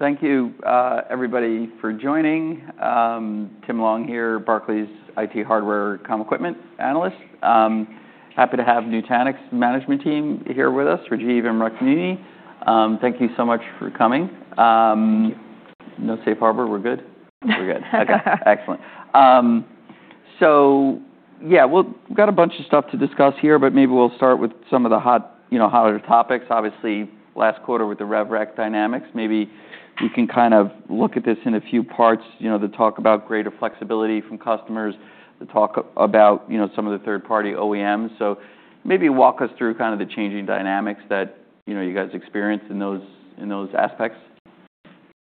Okay. Thank you, everybody, for joining. Tim Long here, Barclays IT hardware, equipment analyst. Happy to have Nutanix management team here with us, Rajiv and Rukmini. Thank you so much for coming. Thank you. No safe harbor. We're good? Yeah. We're good. Okay. Excellent. So yeah, we've got a bunch of stuff to discuss here, but maybe we'll start with some of the hot, you know, hotter topics. Obviously, last quarter with the RevRec dynamics, maybe we can kind of look at this in a few parts, you know, to talk about greater flexibility from customers, to talk about, you know, some of the third-party OEMs. So maybe walk us through kind of the changing dynamics that, you know, you guys experience in those aspects.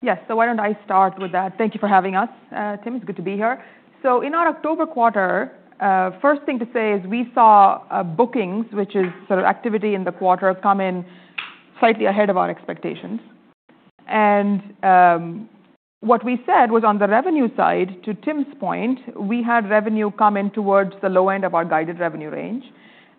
Yes. So why don't I start with that? Thank you for having us, Tim. It's good to be here. So in our October quarter, first thing to say is we saw bookings, which is sort of activity in the quarter, come in slightly ahead of our expectations. And what we said was on the revenue side, to Tim's point, we had revenue come in towards the low end of our guided revenue range.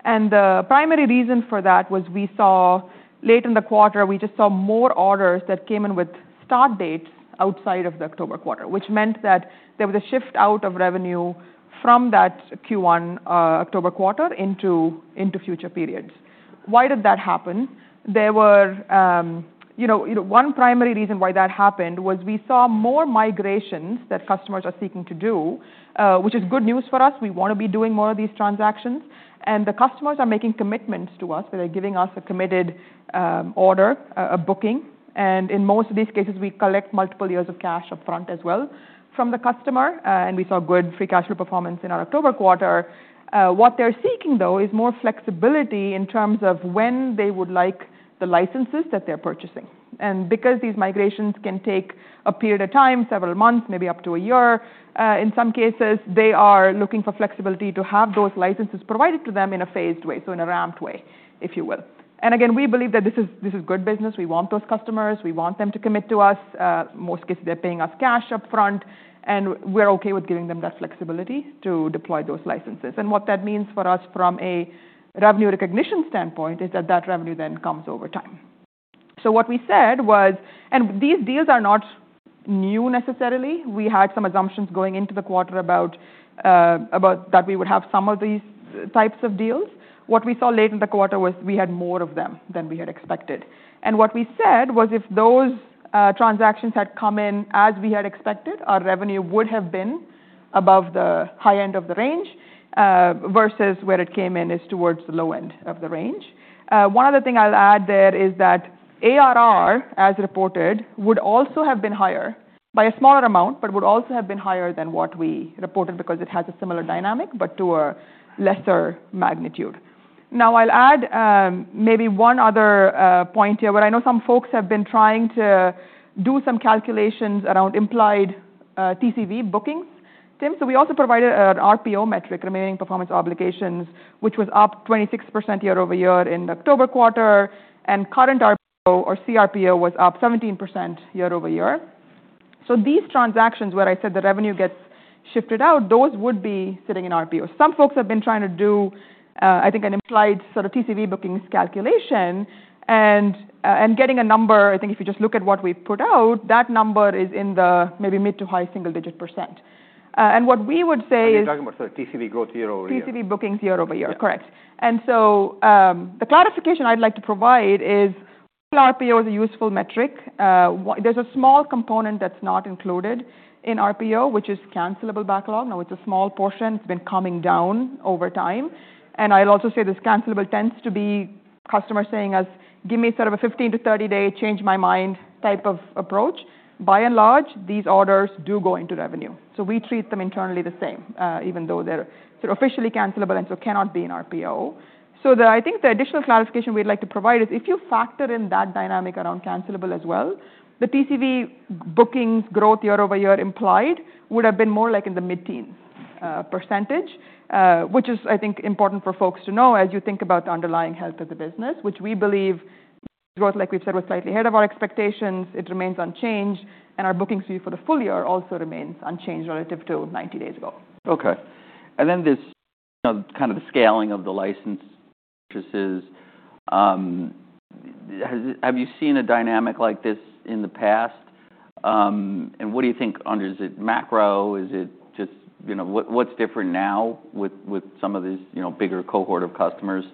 And the primary reason for that was we saw late in the quarter, we just saw more orders that came in with start dates outside of the October quarter, which meant that there was a shift out of revenue from that Q1, October quarter into future periods. Why did that happen? There were, you know, one primary reason why that happened was we saw more migrations that customers are seeking to do, which is good news for us. We want to be doing more of these transactions. And the customers are making commitments to us. They're giving us a committed, order, a booking. And in most of these cases, we collect multiple years of cash upfront as well from the customer. And we saw good free cash flow performance in our October quarter. What they're seeking, though, is more flexibility in terms of when they would like the licenses that they're purchasing. And because these migrations can take a period of time, several months, maybe up to a year, in some cases, they are looking for flexibility to have those licenses provided to them in a phased way, so in a ramped way, if you will. And again, we believe that this is good business. We want those customers. We want them to commit to us. Most cases, they're paying us cash upfront. And we're okay with giving them that flexibility to deploy those licenses. And what that means for us from a revenue recognition standpoint is that revenue then comes over time. So what we said was, and these deals are not new necessarily. We had some assumptions going into the quarter about that we would have some of these types of deals. What we saw late in the quarter was we had more of them than we had expected. And what we said was if those transactions had come in as we had expected, our revenue would have been above the high end of the range, versus where it came in is towards the low end of the range. One other thing I'll add there is that ARR, as reported, would also have been higher by a smaller amount, but would also have been higher than what we reported because it has a similar dynamic, but to a lesser magnitude. Now, I'll add, maybe one other point here, where I know some folks have been trying to do some calculations around implied TCV bookings, Tim. We also provided an RPO metric, remaining performance obligations, which was up 26% year-over-year in October quarter. Current RPO or CRPO was up 17% year-over-year. These transactions where I said the revenue gets shifted out, those would be sitting in RPO. Some folks have been trying to do, I think an implied sort of TCV bookings calculation and getting a number. I think if you just look at what we put out, that number is in the maybe mid-to-high single-digit %, and what we would say is. Are you talking about sort of TCV growth year-over-year? TCV bookings year-over-year. Correct. And so, the clarification I'd like to provide is RPO is a useful metric. There's a small component that's not included in RPO, which is cancelable backlog. Now, it's a small portion. It's been coming down over time. And I'll also say this cancelable tends to be customers saying us, "Give me sort of a 15-30 days change my mind" type of approach by and large, these orders do go into revenue. So we treat them internally the same, even though they're sort of officially cancelable and so cannot be in RPO. So, I think the additional clarification we'd like to provide is if you factor in that dynamic around cancelable as well, the TCV bookings growth year-over-year implied would have been more like in the mid-teens %, which is, I think, important for folks to know as you think about the underlying health of the business, which we believe growth, like we've said, was slightly ahead of our expectations. It remains unchanged. And our bookings view for the full year also remains unchanged relative to 90 days ago. Okay. And then this, you know, kind of the scaling of the license purchases, have you seen a dynamic like this in the past? And what do you think? Wonder, is it macro? Is it just, you know, what's different now with, with some of these, you know, bigger cohort of customers?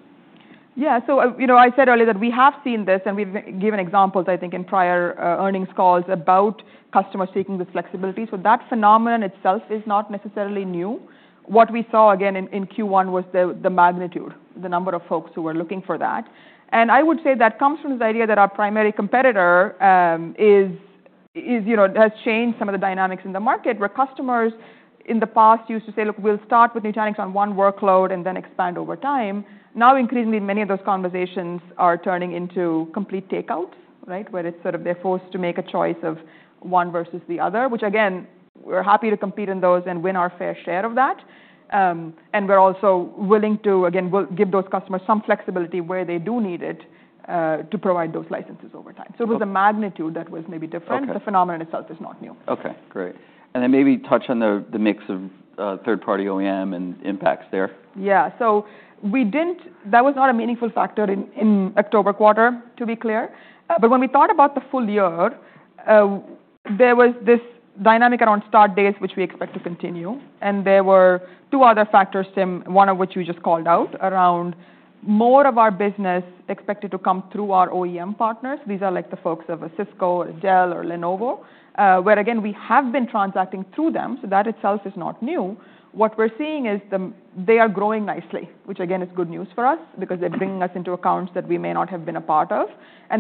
Yeah. So, you know, I said earlier that we have seen this, and we've given examples, I think, in prior earnings calls about customers seeking this flexibility. So that phenomenon itself is not necessarily new. What we saw, again, in Q1 was the magnitude, the number of folks who were looking for that. And I would say that comes from this idea that our primary competitor is, you know, has changed some of the dynamics in the market where customers in the past used to say, "Look, we'll start with Nutanix on one workload and then expand over time." Now, increasingly, many of those conversations are turning into complete takeouts, right, where it's sort of they're forced to make a choice of one versus the other, which, again, we're happy to compete in those and win our fair share of that. And we're also willing to, again, give those customers some flexibility where they do need it, to provide those licenses over time. So it was the magnitude that was maybe different. The phenomenon itself is not new. Okay. Great. And then maybe touch on the mix of third-party OEM and impacts there. Yeah. So we didn't. That was not a meaningful factor in October quarter, to be clear. But when we thought about the full year, there was this dynamic around start dates, which we expect to continue. There were two other factors, Tim, one of which you just called out, around more of our business expected to come through our OEM partners. These are like the folks of a Cisco or a Dell or Lenovo, where, again, we have been transacting through them. So that itself is not new. What we're seeing is they are growing nicely, which, again, is good news for us because they're bringing us into accounts that we may not have been a part of.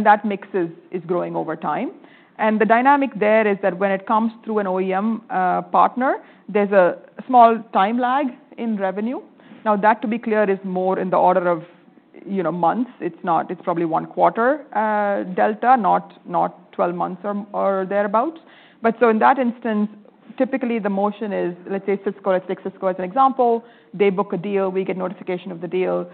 That mix is growing over time. The dynamic there is that when it comes through an OEM partner, there's a small time lag in revenue. Now, that, to be clear, is more in the order of, you know, months. It's not; it's probably one quarter delta, not 12 months or thereabouts. But so in that instance, typically, the motion is, let's say Cisco or let's take Cisco as an example. They book a deal. We get notification of the deal.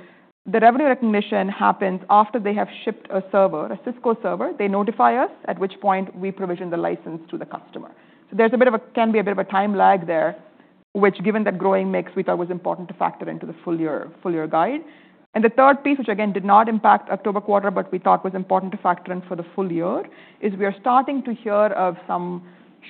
The revenue recognition happens after they have shipped a server, a Cisco server. They notify us, at which point we provision the license to the customer. So there can be a bit of a time lag there, which, given that growing mix, we thought was important to factor into the full year guide. The third piece, which, again, did not impact October quarter, but we thought was important to factor in for the full year, is we are starting to hear of some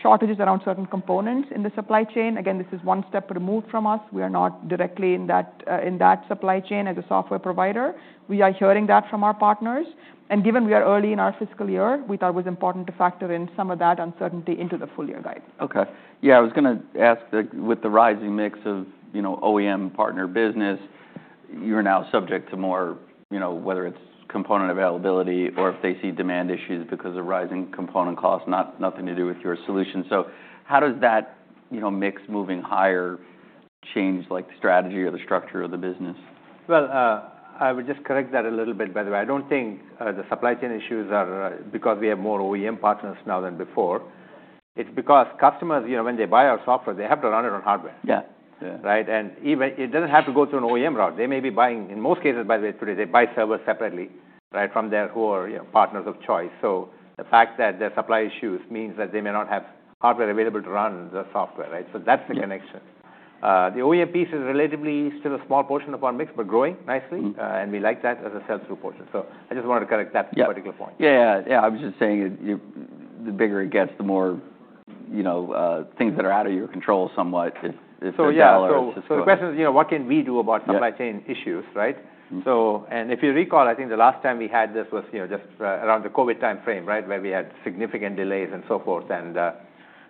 shortages around certain components in the supply chain. Again, this is one step removed from us. We are not directly in that supply chain as a software provider. We are hearing that from our partners. And given we are early in our fiscal year, we thought it was important to factor in some of that uncertainty into the full year guide. Okay. Yeah. I was going to ask that with the rising mix of, you know, OEM partner business, you're now subject to more, you know, whether it's component availability or if they see demand issues because of rising component costs, not nothing to do with your solution. So how does that, you know, mix moving higher change like the strategy or the structure of the business? I would just correct that a little bit, by the way. I don't think the supply chain issues are because we have more OEM partners now than before. It's because customers, you know, when they buy our software, they have to run it on hardware. Yeah. Right? And even it doesn't have to go through an OEM route. They may be buying in most cases, by the way, today, they buy servers separately, right, from their core partners of choice. So the fact that their supply issues means that they may not have hardware available to run the software, right? So that's the connection. The OEM piece is relatively still a small portion of our mix, but growing nicely. And we like that as a sell-through portion. So I just wanted to correct that particular point. I was just saying it, you know, the bigger it gets, the more, you know, things that are out of your control somewhat if Intel or Cisco. So yeah. So the question is, you know, what can we do about supply chain issues, right? So and if you recall, I think the last time we had this was, you know, just around the COVID time frame, right, where we had significant delays and so forth. And,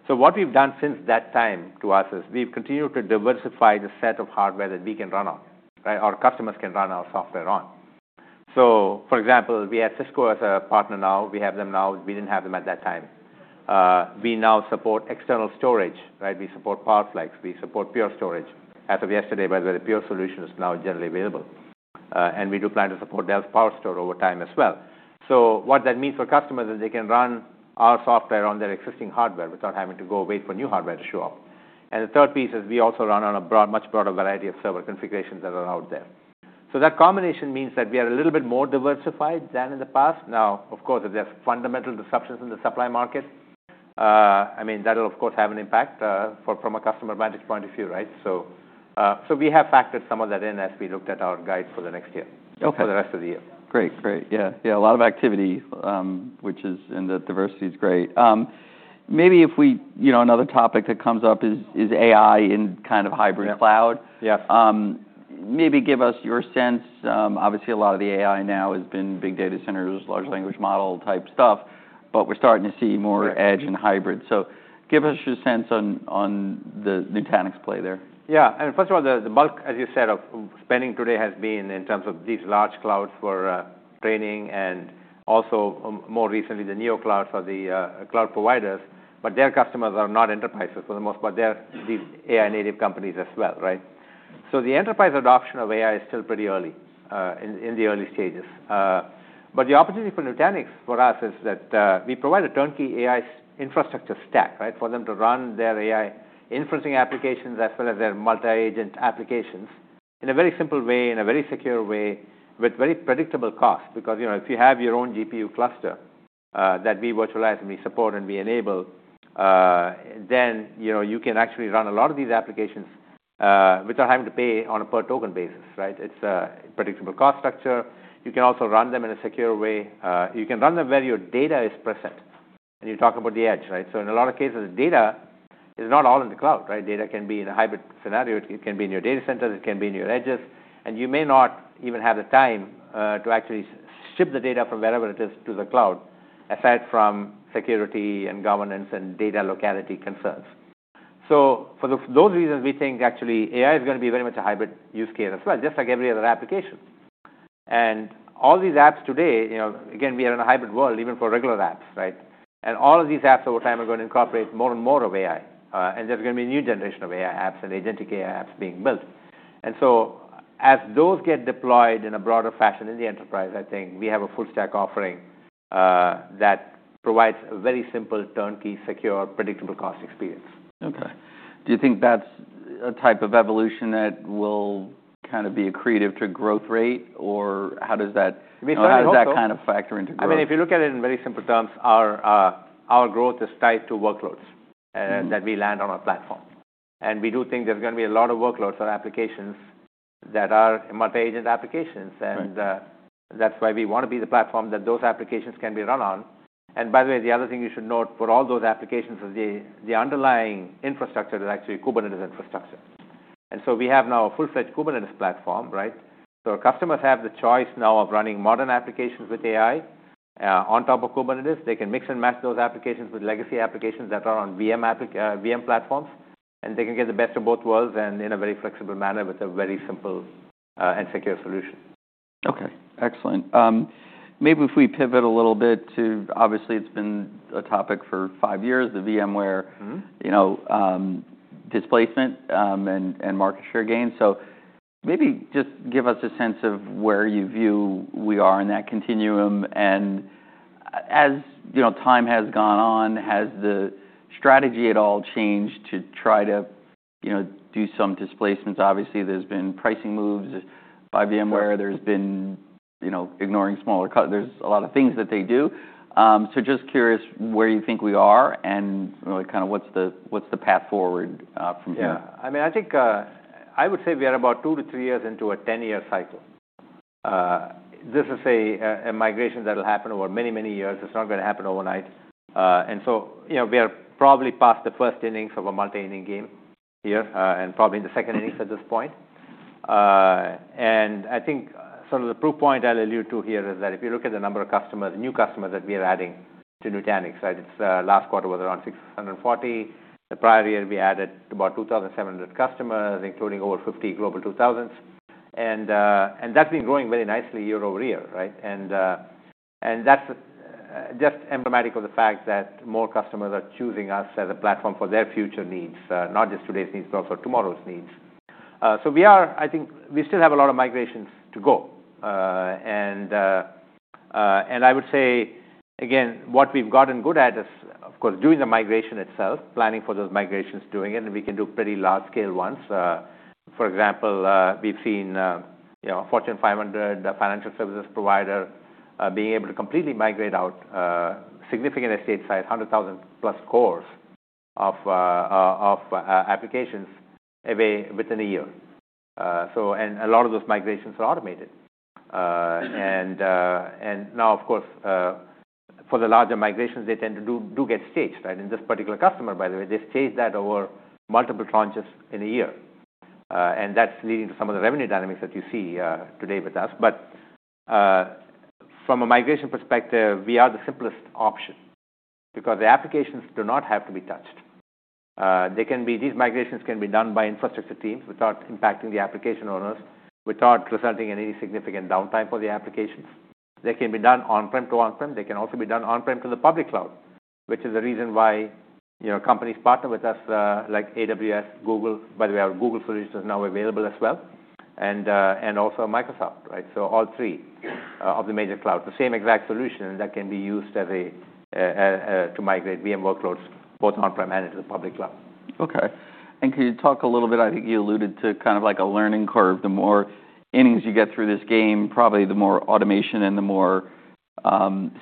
so what we've done since that time to us is we've continued to diversify the set of hardware that we can run on, right, or customers can run our software on. So for example, we have Cisco as a partner now. We have them now. We didn't have them at that time. We now support external storage, right? We support PowerFlex. We support Pure Storage. As of yesterday, by the way, the Pure solution is now generally available, and we do plan to support Dell's PowerStore over time as well. So what that means for customers is they can run our software on their existing hardware without having to go wait for new hardware to show up. The third piece is we also run on a broad, much broader variety of server configurations that are out there. So that combination means that we are a little bit more diversified than in the past. Now, of course, if there's fundamental disruptions in the supply market, I mean, that'll, of course, have an impact, from a customer management point of view, right? So we have factored some of that in as we looked at our guide for the next year. Okay. For the rest of the year. Great. Great. Yeah. Yeah. A lot of activity, which is, and the diversity is great. Maybe if we, you know, another topic that comes up is AI in kind of hybrid cloud. Yes. Maybe give us your sense. Obviously, a lot of the AI now has been big data centers, large language model type stuff, but we're starting to see more edge and hybrid. So give us your sense on the Nutanix play there. Yeah. And first of all, the bulk, as you said, of spending today has been in terms of these large clouds for training and also, more recently, the neoCloud for the cloud providers. But their customers are not enterprises for the most part. They're these AI-native companies as well, right? So the enterprise adoption of AI is still pretty early, in the early stages, but the opportunity for Nutanix for us is that we provide a turnkey AI infrastructure stack, right, for them to run their AI inferencing applications as well as their multi-agent applications in a very simple way, in a very secure way, with very predictable cost. Because, you know, if you have your own GPU cluster, that we virtualize and we support and we enable, then, you know, you can actually run a lot of these applications, without having to pay on a per-token basis, right? It's a predictable cost structure. You can also run them in a secure way. You can run them where your data is present. And you talk about the edge, right? So in a lot of cases, data is not all in the cloud, right? Data can be in a hybrid scenario. It can be in your data centers. It can be in your edges. And you may not even have the time, to actually ship the data from wherever it is to the cloud aside from security and governance and data locality concerns. So for those reasons, we think actually AI is going to be very much a hybrid use case as well, just like every other application. And all these apps today, you know, again, we are in a hybrid world, even for regular apps, right? And all of these apps over time are going to incorporate more and more of AI. And there's going to be a new generation of AI apps and agentic AI apps being built. And so as those get deployed in a broader fashion in the enterprise, I think we have a full-stack offering that provides a very simple turnkey secure predictable cost experience. Okay. Do you think that's a type of evolution that will kind of be a creative to growth rate, or how does that? How does that kind of factor into growth? I mean, if you look at it in very simple terms, our growth is tied to workloads that we land on our platform. And we do think there's going to be a lot of workloads or applications that are multi-agent applications. And that's why we want to be the platform that those applications can be run on. And by the way, the other thing you should note for all those applications is the underlying infrastructure is actually Kubernetes infrastructure. And so we have now a full-fledged Kubernetes platform, right? So our customers have the choice now of running modern applications with AI on top of Kubernetes. They can mix and match those applications with legacy applications that are on VM platforms. And they can get the best of both worlds and in a very flexible manner with a very simple and secure solution. Okay. Excellent. Maybe if we pivot a little bit to obviously, it's been a topic for five years, the VMware. Mm-hmm. You know, displacement, and market share gains. So maybe just give us a sense of where you view we are in that continuum. And as, you know, time has gone on, has the strategy at all changed to try to, you know, do some displacements? Obviously, there's been pricing moves by VMware. There's been, you know, ignoring smaller cut. There's a lot of things that they do. So just curious where you think we are and, you know, kind of what's the path forward from here? Yeah. I mean, I think, I would say we are about two to three years into a 10-year cycle. This is a migration that will happen over many, many years. It's not going to happen overnight, and so, you know, we are probably past the first innings of a multi-inning game here, and probably in the second innings at this point, and I think sort of the proof point I'll allude to here is that if you look at the number of customers, new customers that we are adding to Nutanix, right? It's last quarter was around 640. The prior year, we added about 2,700 customers, including over 50 Global 2000s, and that's been growing very nicely year-over-year, right? That's just emblematic of the fact that more customers are choosing us as a platform for their future needs, not just today's needs, but also tomorrow's needs. We are. I think we still have a lot of migrations to go. I would say, again, what we've gotten good at is, of course, doing the migration itself, planning for those migrations, doing it. We can do pretty large-scale ones. For example, we've seen, you know, Fortune 500 financial services provider being able to completely migrate out significant estate size, 100,000-plus cores of applications away within a year. A lot of those migrations are automated. Now, of course, for the larger migrations, they tend to get staged, right? In this particular customer, by the way, they stage that over multiple tranches in a year. And that's leading to some of the revenue dynamics that you see today with us. But from a migration perspective, we are the simplest option because the applications do not have to be touched. These migrations can be done by infrastructure teams without impacting the application owners, without resulting in any significant downtime for the applications. They can be done on-prem to on-prem. They can also be done on-prem to the public cloud, which is the reason why, you know, companies partner with us, like AWS, Google. By the way, our Google solution is now available as well. And also Microsoft, right? So all three of the major cloud, the same exact solution that can be used as a to migrate VM workloads both on-prem and into the public cloud. Okay, and can you talk a little bit? I think you alluded to kind of like a learning curve. The more innings you get through this game, probably the more automation and the more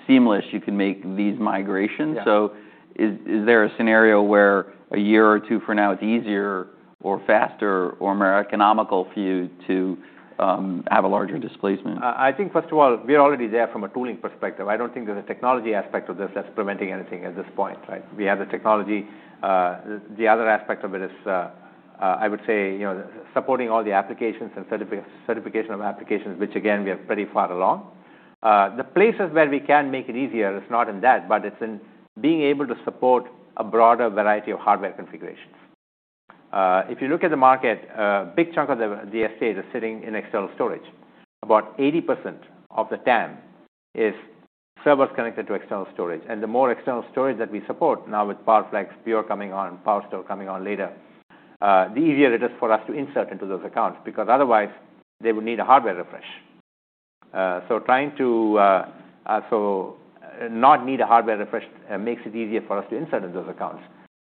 seamless you can make these migrations. Yeah. So, is there a scenario where a year or two from now, it's easier or faster or more economical for you to have a larger displacement? I think, first of all, we're already there from a tooling perspective. I don't think there's a technology aspect of this that's preventing anything at this point, right? We have the technology. The other aspect of it is, I would say, you know, supporting all the applications and certification of applications, which, again, we are pretty far along. The places where we can make it easier is not in that, but it's in being able to support a broader variety of hardware configurations. If you look at the market, a big chunk of the estate is sitting in external storage. About 80% of the TAM is servers connected to external storage. The more external storage that we support now with PowerFlex, Pure coming on, PowerStore coming on later, the easier it is for us to insert into those accounts because otherwise they would need a hardware refresh. No need for a hardware refresh makes it easier for us to insert into those accounts.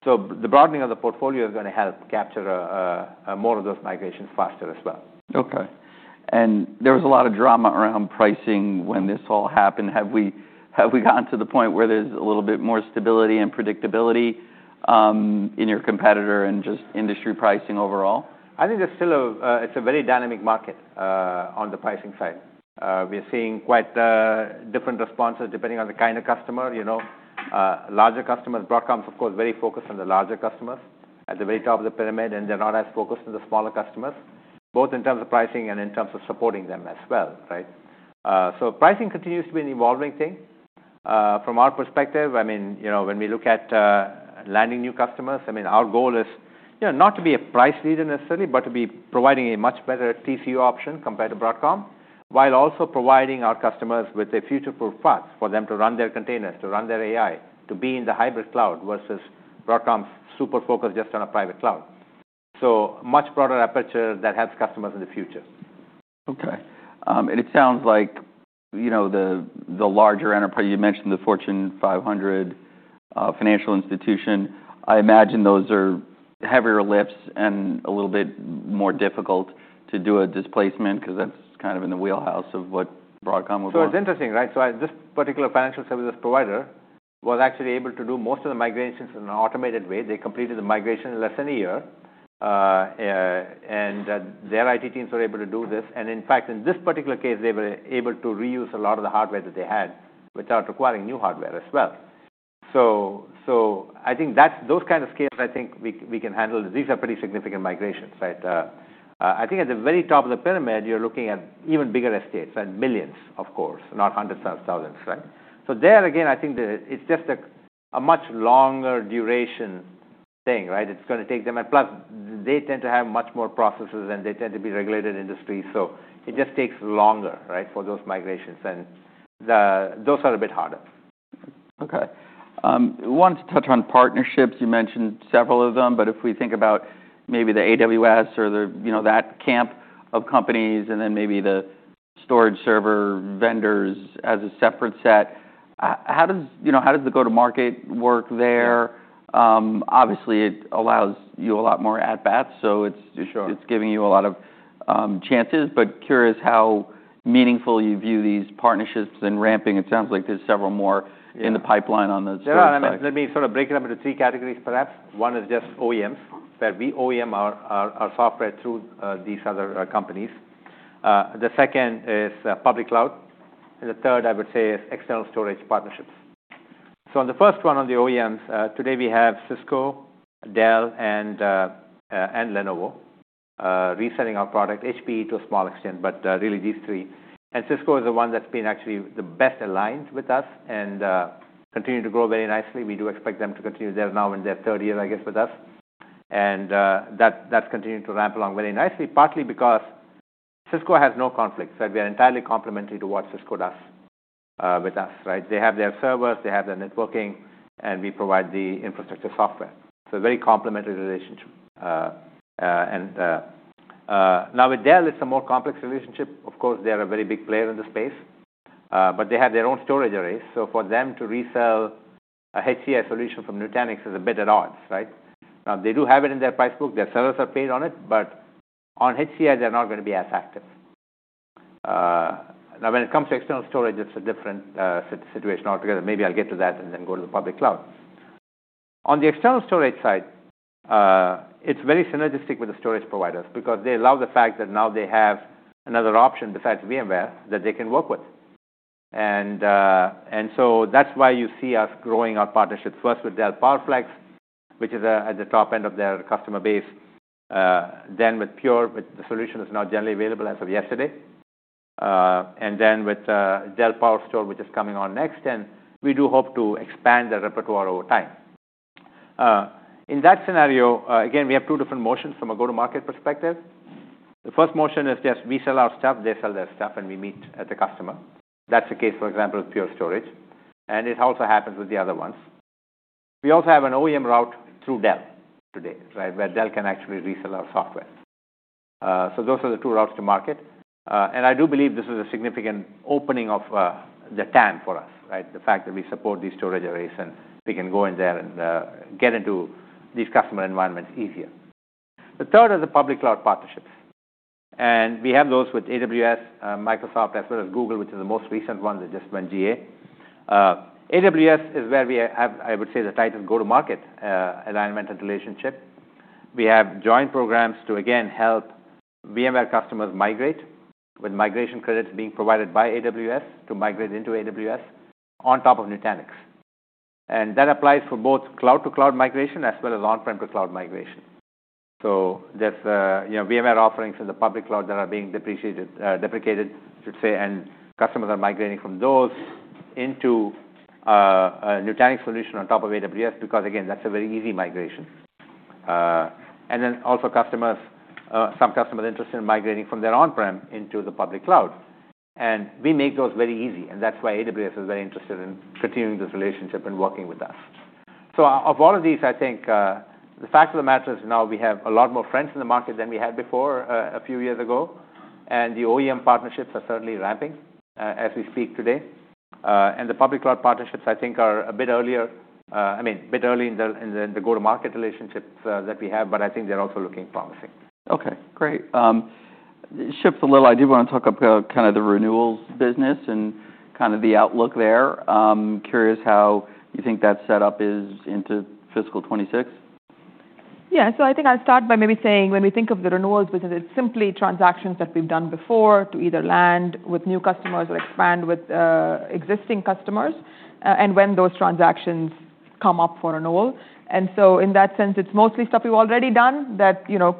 The broadening of the portfolio is going to help capture more of those migrations faster as well. Okay. And there was a lot of drama around pricing when this all happened. Have we gotten to the point where there's a little bit more stability and predictability in your competitor and just industry pricing overall? I think it's a very dynamic market, on the pricing side. We're seeing quite different responses depending on the kind of customer, you know? Larger customers, Broadcom is, of course, very focused on the larger customers at the very top of the pyramid, and they're not as focused on the smaller customers, both in terms of pricing and in terms of supporting them as well, right? So pricing continues to be an evolving thing. From our perspective, I mean, you know, when we look at landing new customers, I mean, our goal is, you know, not to be a price leader necessarily, but to be providing a much better TCO option compared to Broadcom while also providing our customers with a future-proof path for them to run their containers, to run their AI, to be in the hybrid cloud versus Broadcom's super focused just on a private cloud. So much broader aperture that helps customers in the future. Okay. And it sounds like, you know, the larger enterprise you mentioned, the Fortune 500 financial institution, I imagine those are heavier lifts and a little bit more difficult to do a displacement because that's kind of in the wheelhouse of what Broadcom would want. So it's interesting, right? So this particular financial services provider was actually able to do most of the migrations in an automated way. They completed the migration in less than a year, and their IT teams were able to do this. And in fact, in this particular case, they were able to reuse a lot of the hardware that they had without requiring new hardware as well. So I think that's those kind of scales, I think we can handle. These are pretty significant migrations, right? I think at the very top of the pyramid, you're looking at even bigger estates, right? Millions, of course, not hundreds of thousands, right? So there, again, I think that it's just a much longer duration thing, right? It's going to take them a plus. They tend to have much more processes, and they tend to be regulated industries. So it just takes longer, right, for those migrations. And those are a bit harder. Okay. Wanted to touch on partnerships. You mentioned several of them. But if we think about maybe the AWS or the, you know, that camp of companies and then maybe the storage server vendors as a separate set, how does, you know, how does the go-to-market work there? Obviously, it allows you a lot more at-bats. So it's. For sure. It's giving you a lot of chances. But curious how meaningful you view these partnerships and ramping. It sounds like there's several more. Yeah. In the pipeline on those storage servers. Yeah. Let me sort of break it up into three categories, perhaps. One is just OEMs where we OEM our software through these other companies. The second is public cloud. And the third, I would say, is external storage partnerships. So on the first one on the OEMs, today we have Cisco, Dell, and Lenovo reselling our product, HP to a small extent, but really these three. And Cisco is the one that's been actually the best aligned with us and continuing to grow very nicely. We do expect them to continue there now in their third year, I guess, with us. And that, that's continuing to ramp along very nicely, partly because Cisco has no conflicts, right? We are entirely complementary to what Cisco does with us, right? They have their servers. They have their networking. And we provide the infrastructure software. So very complementary relationship, and now with Dell, it's a more complex relationship. Of course, they are a very big player in the space, but they have their own storage arrays. So for them to resell a HCI solution from Nutanix is a bit at odds, right? Now, they do have it in their price book. Their sellers are paid on it. But on HCI, they're not going to be as active. Now when it comes to external storage, it's a different situation altogether. Maybe I'll get to that and then go to the public cloud. On the external storage side, it's very synergistic with the storage providers because they allow the fact that now they have another option besides VMware that they can work with. And so that's why you see us growing our partnership first with Dell PowerFlex, which is at the top end of their customer base, then with Pure, which the solution is now generally available as of yesterday, and then with Dell PowerStore, which is coming on next. And we do hope to expand the repertoire over time. In that scenario, again, we have two different motions from a go-to-market perspective. The first motion is just we sell our stuff, they sell their stuff, and we meet at the customer. That's the case, for example, with Pure Storage. And it also happens with the other ones. We also have an OEM route through Dell today, right, where Dell can actually resell our software. So those are the two routes to market. And I do believe this is a significant opening of the TAM for us, right? The fact that we support these storage arrays and we can go in there and get into these customer environments easier. The third are the public cloud partnerships. And we have those with AWS, Microsoft, as well as Google, which are the most recent ones that just went GA. AWS is where we have, I would say, the tightest go-to-market alignment and relationship. We have joint programs to, again, help VMware customers migrate with migration credits being provided by AWS to migrate into AWS on top of Nutanix. And that applies for both cloud-to-cloud migration as well as on-prem-to-cloud migration. So there's, you know, VMware offerings in the public cloud that are being depreciated, deprecated, I should say, and customers are migrating from those into a Nutanix solution on top of AWS because, again, that's a very easy migration. And then also, customers, some customers are interested in migrating from their on-prem into the public cloud, and we make those very easy. And that's why AWS is very interested in continuing this relationship and working with us. So of all of these, I think, the fact of the matter is now we have a lot more friends in the market than we had before, a few years ago. And the OEM partnerships are certainly ramping, as we speak today. And the public cloud partnerships, I think, are a bit earlier, I mean, a bit early in the go-to-market relationships that we have. But I think they're also looking promising. Okay. Great. Shift a little. I do want to talk about kind of the renewals business and kind of the outlook there. Curious how you think that setup is into fiscal 2026. Yeah. So I think I'll start by maybe saying when we think of the renewals business, it's simply transactions that we've done before to either land with new customers or expand with existing customers, and when those transactions come up for renewal. And so in that sense, it's mostly stuff we've already done that, you know,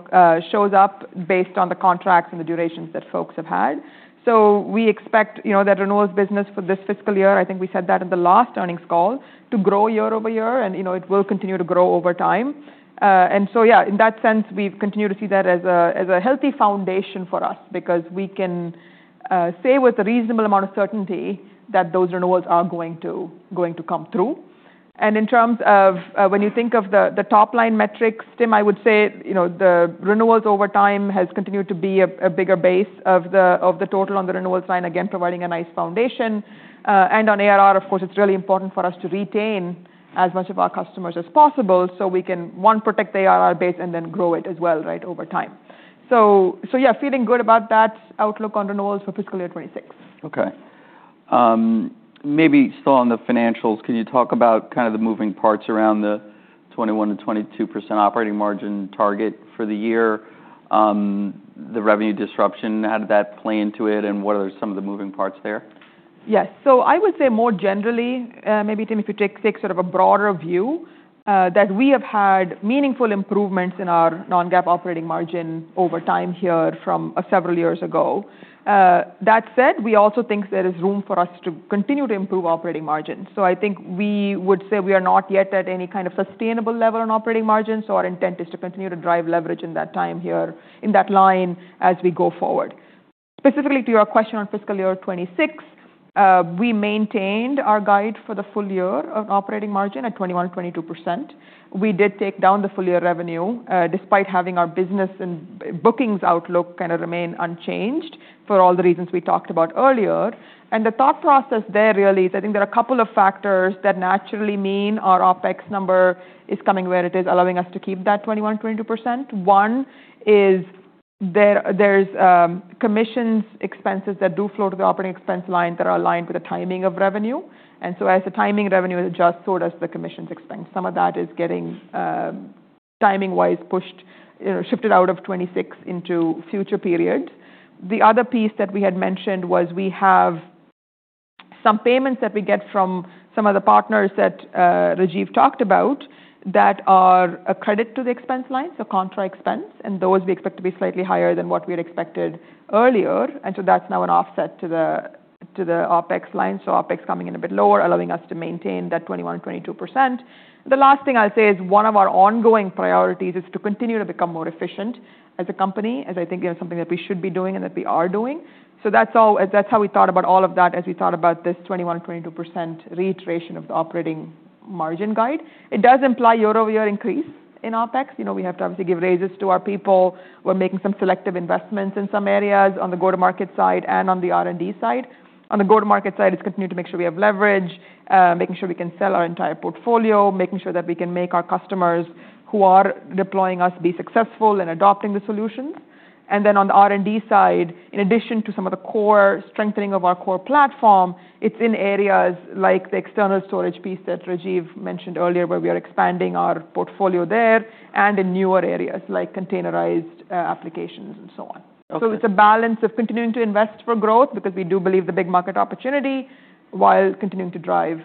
shows up based on the contracts and the durations that folks have had. So we expect, you know, that renewals business for this fiscal year, I think we said that in the last earnings call, to grow year-over-year. And, you know, it will continue to grow over time. And so, yeah, in that sense, we've continued to see that as a healthy foundation for us because we can say with a reasonable amount of certainty that those renewals are going to come through. And in terms of, when you think of the top-line metrics, Tim, I would say, you know, the renewals over time has continued to be a bigger base of the total on the renewals line, again, providing a nice foundation. And on ARR, of course, it's really important for us to retain as much of our customers as possible so we can, one, protect the ARR base and then grow it as well, right, over time. So yeah, feeling good about that outlook on renewals for fiscal year 2026. Okay. Maybe still on the financials, can you talk about kind of the moving parts around the 21%-22% operating margin target for the year, the revenue disruption, how did that play into it, and what are some of the moving parts there? Yes. So I would say more generally, maybe, Tim, if you take sort of a broader view, that we have had meaningful improvements in our non-GAAP operating margin over time here from several years ago. That said, we also think there is room for us to continue to improve operating margins. So I think we would say we are not yet at any kind of sustainable level on operating margins. So our intent is to continue to drive leverage in that time here, in that line as we go forward. Specifically to your question on fiscal year 2026, we maintained our guide for the full year on operating margin at 21%-22%. We did take down the full year revenue, despite having our business and bookings outlook kind of remain unchanged for all the reasons we talked about earlier. The thought process there really is I think there are a couple of factors that naturally mean our OpEx number is coming where it is, allowing us to keep that 21%-22%. One is there's commissions expenses that do flow to the operating expense line that are aligned with the timing of revenue. And so as the timing revenue adjusts, so does the commissions expense. Some of that is getting timing-wise pushed, you know, shifted out of 2026 into future period. The other piece that we had mentioned was we have some payments that we get from some of the partners that Rajiv talked about that are a credit to the expense line, so contra expense. And those we expect to be slightly higher than what we had expected earlier. And so that's now an offset to the OpEx line. So OpEx coming in a bit lower, allowing us to maintain that 21%-22%. The last thing I'll say is one of our ongoing priorities is to continue to become more efficient as a company, as I think, you know, something that we should be doing and that we are doing. So that's all, that's how we thought about all of that as we thought about this 21%-22% reiteration of the operating margin guide. It does imply year-over-year increase in OpEx. You know, we have to obviously give raises to our people. We're making some selective investments in some areas on the go-to-market side and on the R&D side. On the go-to-market side, it's continuing to make sure we have leverage, making sure we can sell our entire portfolio, making sure that we can make our customers who are deploying us be successful in adopting the solutions. And then on the R&D side, in addition to some of the core strengthening of our core platform, it's in areas like the external storage piece that Rajiv mentioned earlier where we are expanding our portfolio there and in newer areas like containerized applications and so on. Okay. So it's a balance of continuing to invest for growth because we do believe the big market opportunity while continuing to drive,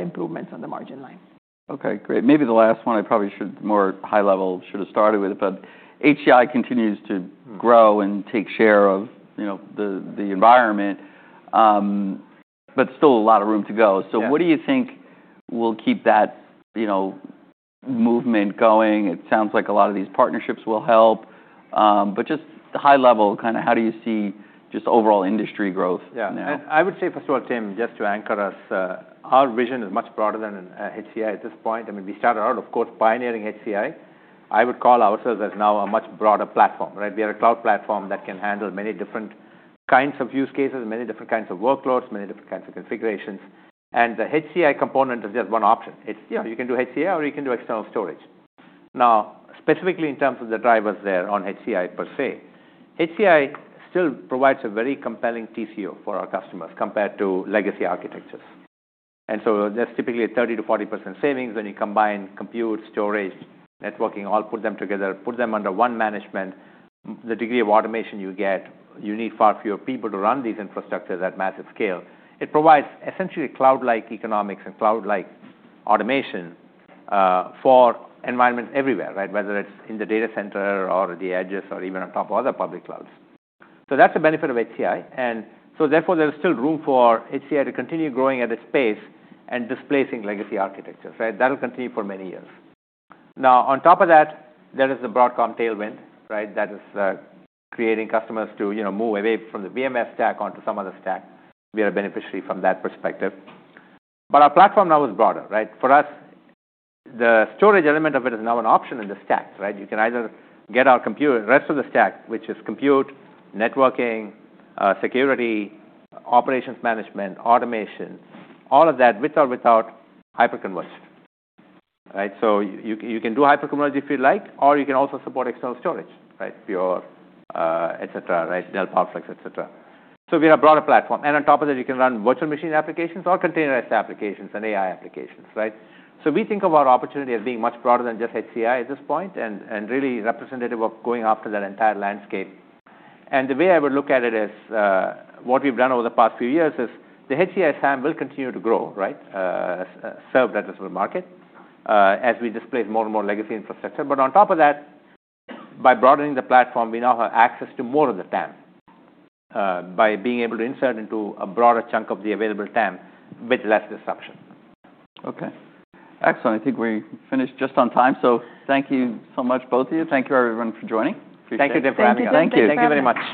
improvements on the margin line. Okay. Great. Maybe the last one I probably should, more high level, should have started with, but HCI continues to grow and take share of, you know, the environment, but still a lot of room to go. Yeah. So what do you think will keep that, you know, movement going? It sounds like a lot of these partnerships will help. But just high level, kind of how do you see just overall industry growth now? Yeah. And I would say, first of all, Tim, just to anchor us, our vision is much broader than HCI at this point. I mean, we started out, of course, pioneering HCI. I would call ourselves as now a much broader platform, right? We are a cloud platform that can handle many different kinds of use cases, many different kinds of workloads, many different kinds of configurations. And the HCI component is just one option. It's, you know, you can do HCI or you can do external storage. Now, specifically in terms of the drivers there on HCI per se, HCI still provides a very compelling TCO for our customers compared to legacy architectures. And so there's typically a 30%-40% savings when you combine compute, storage, networking, all put them together, put them under one management. The degree of automation you get, you need far fewer people to run these infrastructures at massive scale. It provides essentially cloud-like economics and cloud-like automation, for environments everywhere, right, whether it's in the data center or the edges or even on top of other public clouds. So that's a benefit of HCI. And so therefore there is still room for HCI to continue growing at its pace and displacing legacy architectures, right? That'll continue for many years. Now, on top of that, there is the Broadcom tailwind, right, that is, creating customers to, you know, move away from the VMware stack onto some other stack. We are a beneficiary from that perspective. But our platform now is broader, right? For us, the storage element of it is now an option in the stack, right? You can either get our compute, rest of the stack, which is compute, networking, security, operations management, automation, all of that with or without hyperconverged, right? So you can do hyperconverged if you'd like, or you can also support external storage, right, Pure, etc., right, Dell PowerFlex, etc, so we have broader platform, and on top of that, you can run virtual machine applications or containerized applications and AI applications, right, so we think of our opportunity as being much broader than just HCI at this point and really representative of going after that entire landscape, and the way I would look at it is, what we've done over the past few years is the HCI SAM will continue to grow, right, serve that as a market, as we displace more and more legacy infrastructure. On top of that, by broadening the platform, we now have access to more of the TAM, by being able to insert into a broader chunk of the available TAM with less disruption. Okay. Excellent. I think we finished just on time, so thank you so much, both of you. Thank you, everyone, for joining. Appreciate it. Thank you, Tim. Thank you. Thank you very much. Thank you very much.